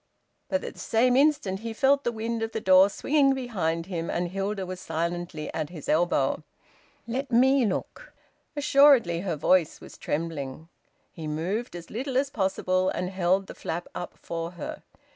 But at the same instant he felt the wind of the door swinging behind him, and Hilda was silently at his elbow. "Let me look," she said. Assuredly her voice was trembling. He moved, as little as possible, and held the flap up for her.